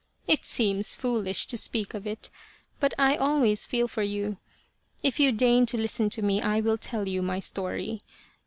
It seems foolish to speak of it, but I always feel for you. If you deign to listen to me I will tell you my story.